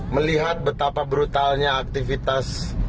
melihat betapa brutalnya aktivitas